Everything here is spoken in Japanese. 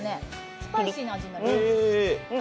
スパイシーな味になる。